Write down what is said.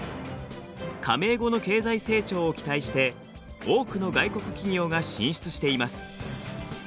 加盟後の経済成長を期待して多くの外国企業が進出しています。